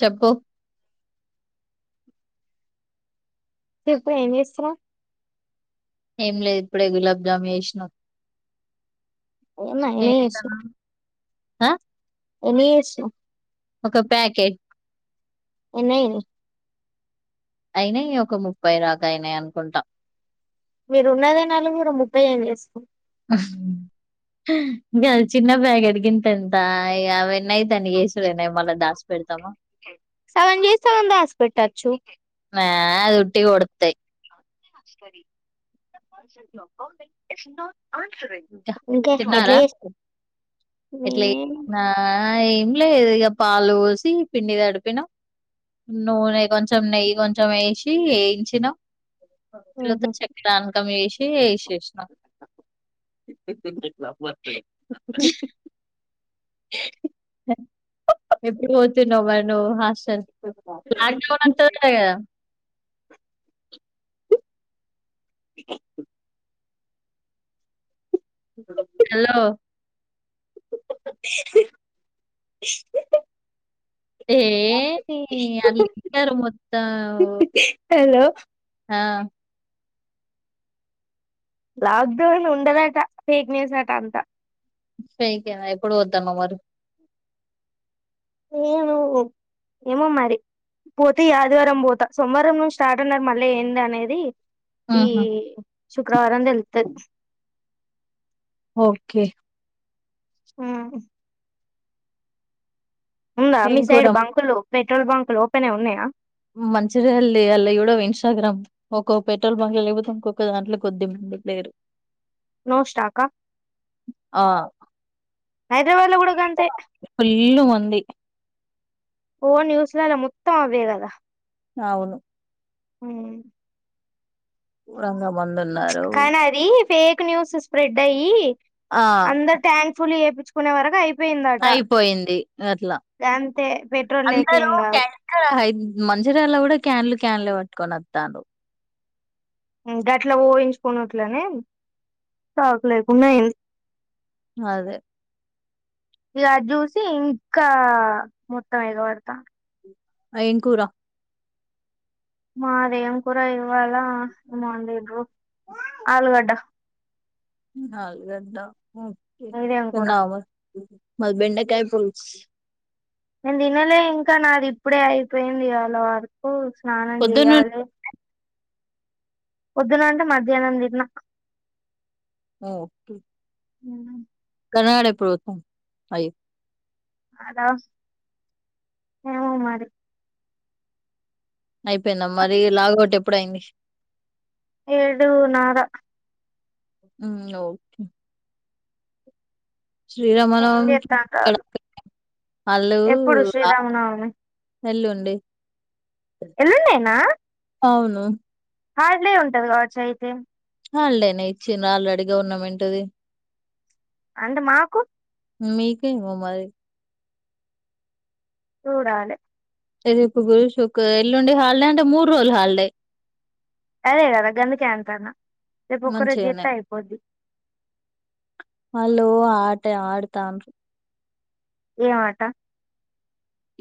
చెప్పు చెప్పు ఏమి చేస్తునావ్ ఏం లేదు ఇప్పుడే గులాబ్జాము చేసిన అన్నా అనే వస ఆ ఏమి చేస్తున్నావ్ ఒక ప్యాకెట్ ఏన్నా అయిన ఈ ఒక ముప్పై దాకా అయినే అనుకుంటా మీరు ఉన్నదే వున్నదే నలుగురు ముఫై ఏం చేస్తం ఇంకా చిన్న బ్యాగ్ అడిగింత ఎంత ఇ అవన్నయి సగం చేసి సగం దాచిపెట్టచు ఆ అదిూటిగ వాడుతాయి స్తు ఇంకా ఇంకే ఎట్లా తిన్నారా చేస్ ఉమ్ ఆ ఏం లేదు ఇక పాలు పోసి పిండి తడిపినాం నూనె కొంచెం నెయ్యి కొంచెం వేసి వేయించినాం తర్త చక్కడాఅనకమ్ వేసి చేసినం [unintelligible] [unintelligible] ఎప్పుడు పోతు నువ్ మరి నువ్వు హాస్టల్ లాక్డౌన్ అంత ఉంటావ్ గదా [inaudible] హలో [unintelligible] ఏయ్ తీ వాళ్ళిద్దరూ మొత్తం హలో ఆ లాక్డౌన్ ఉండదట ఫేక్ న్యూస్ అంట అంతా స్త్రికెన ఎప్పుడు వద్దామ మరి నను్ ఏమో మరి పోతే ఈ ఆదివారం పోతా సోమవారం నుంచి స్టార్ట్ అన్నారు మళ్ళీ ఏంది అనేది ఈ ఆహా! శుక్రవారం తెల్తుది. ఓకే ఉమ్ వుందా ఏం మీ కూర? సైడ్ బంకులు పెట్రోల్ బంక్లు ఓపెన్ లో ఉన్నాయా మంచిదళ్ లే వాళ్ళ ఇవిడ ఇన్స్టాగ్రామ్ ఒక పెట్రోల్ బంక్ లేకపోతే ఇంకొక దాంట్లో కొద్ది మంది లేరు నో స్టాకా ఆ! హైదరాబాద్ లో గూడ గంతే ఫుల్లు మంది. ఓ న్యూస్లాలా మొత్తం అవే గద అవును ఉమ్ రంగం కానాది ఫేక్ న్యూస్ స్ప్రెడ్ అయ్యి ఆ! అందరు ట్యాంక్ఫుల్ ఏపీత్ చుకునే వరక్ అయ్ పి అయిపోయింది అట్లా అంతే పెట్రోల్ లేక అందరుూ ఏం కాదు క్యాన్ మంజిరల కూడా క్యాన్లు క్యాన్లే కొనోతండ్రు ఉమ్ గట్లా ఊహించుకున్నట్లనే స్టాక్ లేకుండా అయ్ అదే ఇగ అది చూసి ఇంకా మొత్తం ఎగబడతాను అయంకూరా మాదేంకుర ఇవళ మార్నింగ్ ఆలుగడ్డ ఆల్లుగడ్డ మీదేం కూర చేసుకున్నాము మస్బెడ్ నా కాయ పో నేను తినలే ఇంకా నాది ఇప్పుడే అయిపోయింది వాళ వరకు స్నానం పొద్దున్న చేయద పొద్దున అంటే మధ్యాహ్నం తినిన ఓ ఉ [unintelligible] అదా ఏమ మరి అయిపోయిందామ్ మరి లాగౌట్ ఎప్పుడ అయింది ఏడు నార ఓకే శ్రీరామనవ ఏం చేత్తంటారు వాళ్ళు ఎప్పుడు శ్రీరామనవమి ఎల్లుండి ఎలాన్నేనా అవును హార్డ్లే ఉంటది కావచ్చు అయితే అలేేనే ఇచ్చిను ఆల్రెడీ గవర్నమెంట్ది అంత మాకు మీకా అరి నూడాలి ఎది గురుష ఎల్లుండి హాలిడే అంటే మూడు రోజులు హాలిడే అదే కదా గందకి అంటానా రేపు ఒక్క రేజ జత్త మంచిగానే అయిపోద్ది వాళ్ళు ఆట ఆడుతాను ఏమాట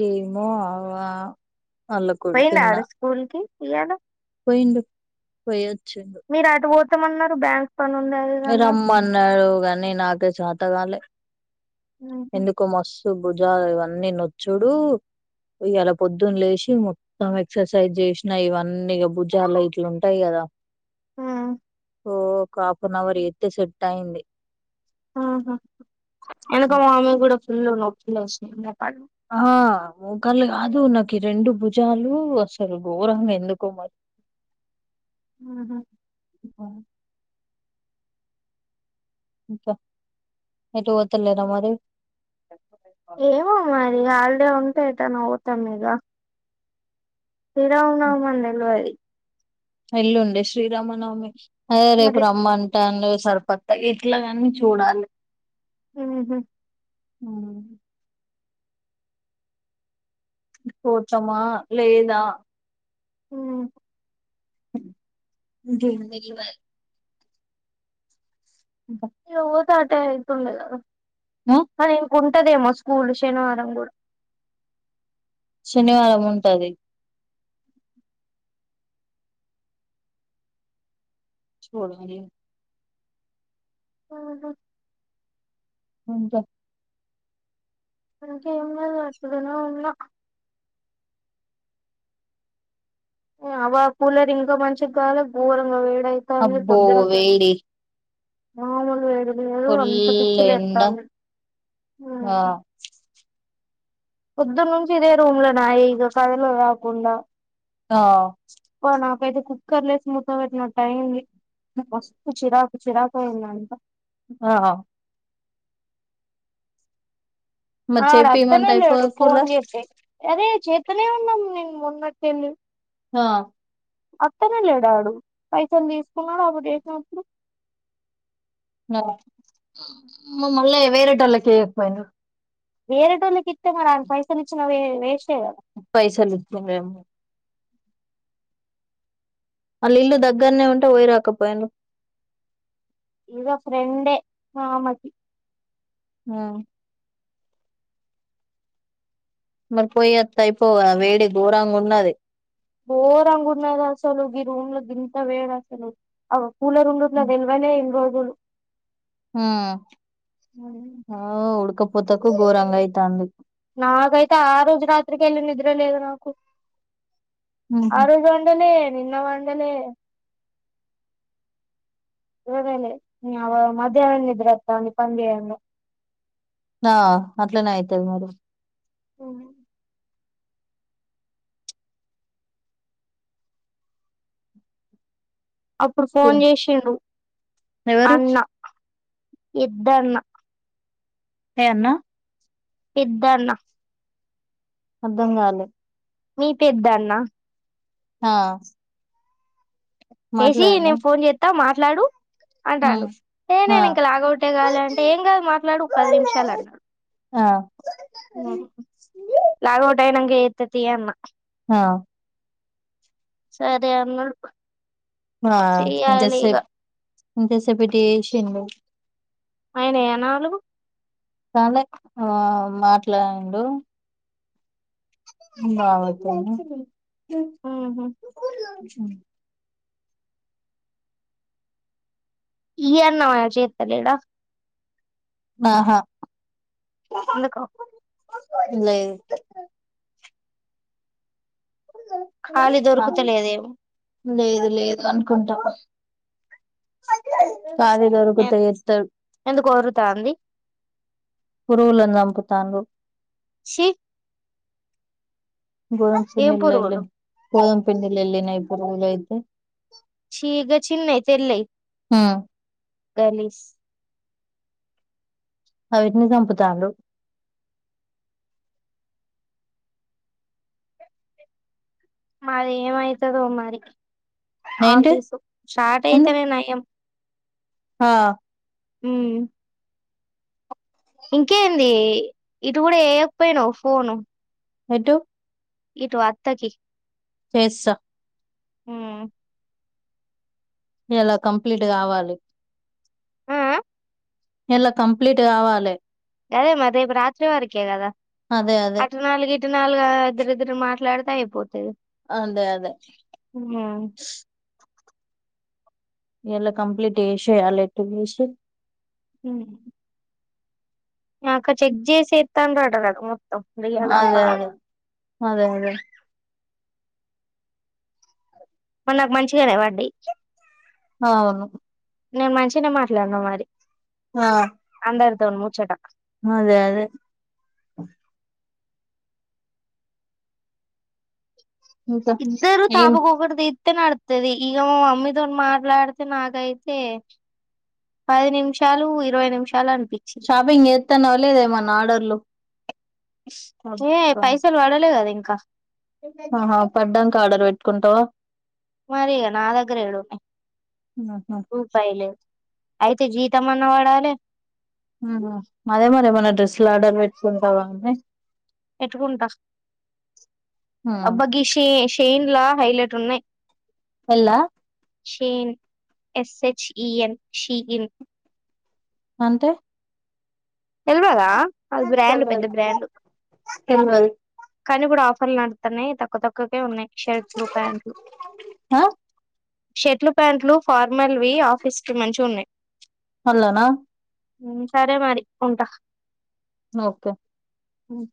ఏమో అ పోనా స్కూల్ క పయాల పోయిండ పోయ మీ రాటవో ఇమన్నారు బ్యాంక్ పని ఉంది అది ఇది మీరు అన్నారు అమ్మ అన్నాడుగా అీ నాకే శాతగాల ఉహు ఎందుకు మస్ భుజాలు ఇవన్నీ నొచ్చుడు ఇ ఇలా పొద్దున్న లేచ మొత్తం ఎక్సర్సైజ్ చేసినా ఇవన్నీ ఇ భుజాలు ఇట్లు ఉంటాయి కదా హ్మ్మ్ ఓ ఒక హాఫ్ అన్ అవర్ ఎయితే సెట్ అయింది హమ్ ఎకు మామ కూడా [unintelligible] ఫుల్లు నొప్పి లేస్తుంది ఆ మూకాళ్ళ కాదు నాకు రెండు భుజాలు అసలు ఘోరంగా ఎందుకో మరి హ కా ఎటు వత్త లేనా అ మరి ఏమో మరి హాలిడే ఉంటే ఎట్టన్నా పోతాం ఇంగా శ్రీరామనవమని అని తెలవదు మరి ఎల్లుండే శ్రీరామనవమి ఏ రేపు మరి రమ్మను పుట్టలు సరిపత్త ఇట్లా కాన్ని చూడాలి హ్మ్మ్ హమ్ కూర్చమా లేదా హ్మ్మ్ జ బల్ [unintelligible] బా చటేయితు ఉండల మ ఉంటదేమో స్కూల్ శనివారం కూడా శనివారం ఉంటది చోడ హమ్ అంటా అకా ఏ అతుదన్నా ఉన్నా అవ కూలర్ ఇంకా మంచిది కాాల ోరంగా వే అబ్బో వెేళ మామూలు లేదు అంత పిచ్చి ఎండ లేస్తుంది హ్మ్మ్ వై [inaudible] రూమ్ నా ఇ కదలు రాకుడా ఆ ైతే కుక్కర్లే స్ మూత్ పెట్టినట్ టైంది మస్తు చిరాకు చిరాకుయింద అంత ఆ మరి అడు చెప్పిమంటే అత్తనే లేడు అయిపోవు ఫోన్ కూలర్ చేస్తే చేత్తనే ఉన్నాను నేను మొన్నటి నుండీ అ అతనే లేడాడు పైసల్ తీసుకున్నాడు ఆపుడు చేసినప్పుడు మళ్ళ వేరటళ్ళకీయకపోయిండ్రు వేరెటోళ్ళ కి చ్చినాడంట పైసాలిచ్చి నావే మేష [unintelligible] పైసలుకు మేమ్ వాళ్ళ ఇల్లు దగ్గరనే ఉంటే పొయిరాకపోయిండు ఇద ఫ్రెండే మామ్మటి ఆ మరి పోయి వత్తె అయిపోవ వేడి ఘోరంగా ఉన్నది బోర్ అనుకుంటున్నారు అసలు ఈ రూమ్లో గంత వేడు అసలు అవ కూలర్ ఉండట్టు నా తెల్వనే తెల్వద్ గును [unintelligible] హ ఆ ఉడుక [unintelligible] ఘోరంగా అయితుంది నాకైతే ఆ రోజు రాత్రికెళ్ళి నిద్ర లేదు నాకు ఆ రోజు ఎండలే నిన్న వండలే [unintelligible] ఆ అట్లనే అయితది మరి మ్ అప్పుడు కే ఫోన్ చేసిండు ఎవరు అన్న ఇద్దన్న హ అన్నా పెద్దన్న అర్ధం కాలే మీ పెద్దా అన్న ఆ చేసి మాట్లాడన్నా నేను ఫోన్ చేస్తా మా మాట్లాడు అంటాండు ఉమ్ ఏ ఆ నేను ఇంక లాగౌటే కాలె అంటే ఏం కాదు మాట్లాడు పది నిమిషాలు అన్నాడు ఆ లాగౌట్ అయినా వేతతి అన్న [unintelligible] హా సరే అన్నా ఆ [inaudible] ఇంతసేపటి ఏడీషిండు అయినాయా నాలుగు చాలా ఎక్కువ మాట్లాడిండు [unintelligible] మ్ హ్ అ ఈ అన్నవయే చేత్తలేడా ఆహా ఎందుకో లేదు. ఖాళీ ఆ, దొరుకుతలేదేవు లేదు లేదు అనుకుంటా కాలి దొరుకుతే చేత్తాం ఎందుకో ఒర్రుతాంది పురుగులన్ చంపుతాన్లు చి గోరం ఏం చిన్న పురుగులు [unintelligible] పిండిల్లినయి పురుగులైతే చీ గా చిన్నయి తెల్లై గలీస్ అవీట్ని సంపుతాన్రు మాది ఏమైతదో మరి ఏంటి ఆఫీసు స్టార్ట్ అయితేనే నయం. హా మ్ ఇంకేంది ఇటు కూడా చేయక్పోయినవు ఫోను ఎటు ఇటు అత్తకి చేస్త మ్ ఇయాల కంప్లీట్ కావాలి. ఆ ఆ ఇయల కంప్లీట్ కావాలె అదే మ రేపు రాత్రి వరికే కదా అదే అదే అటు నాలుగు ఇటు నలుగు ఆ ఇద్దరిద్దరు మాట్లాడ్ అయిపోతది. అదే అదే ఇయల కంప్లీట్ చేసేయాలె ఎటు చేసి హ మా అక్క చెక్ చేసి ఏత్తాంరట గద మొ ఆ అదే అదే అదే అదే మరి నాక్ మంచిగనే వడ్డయి అవును. నేను మంచిగానే మాట్లాడిన మరి ఆ అందర్తోన్ ముచ్చట అదే అదే ఇంకా ఇద్దరు ఏం తాబకుకది [unintelligible] తే నడుత్తాది ఇక మా మమ్మీతో మాట్లాడితే నాకైతే పది నిమిషాలు ఇరవై నిమిషాలు అంట షాపింగ్ చేత్తాన్నవా లేద ఏమన్నా ఆర్డర్లు ఏ అబ్బా పైసలు పడలేద ఇంకా కా ఆహా పడ్డాక ఆర్డర్ పెట్టుకుంటావా మరి ఇగా నా దగ్గర ఎడన్నాయి ఆహా రూపాయిలు అయితే జీతం అన్న పడాలి అదే మరే ఏమన్నా డ్రెస్సులు ఆర్డర్ పెట్టుకుంటావా అన్న పెట్టుకుంట ఆ అబ్బ ఈ సేన్ లా హైలైట్ ఉన్నాయ్ పెళ్ళా షేన్ ఎస్ హెచ్ఈఎన్ షీఇన్ అంటే తెల్వదా అది బ్రాండ్ తెల్వదు పెద్ద బ్రాండ్ తెల్వదు కానీ కూడ అఫ్ అఫర్ లు నడుతున్నాయ్ తక్కు తక్కువ్ హ షర్ట్లు ప్యాంట్లు ఫార్మల్వి ఆఫీస్ కి మంచివి ఉన్నాయి అల్లన ఉ సరే మరి ఉంటా ఓకే హ్మ్